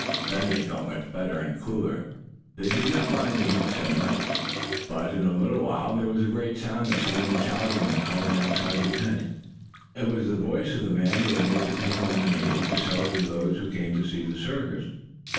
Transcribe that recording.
Then they felt much better, and cooler. They did not mind the heat so much. But, in a little while, there was a great sound of some one shouting and calling outside the tent. It was the voice of the man who had made the pink lemonade to sell to those who came to see the circus.